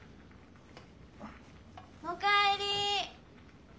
おかえり。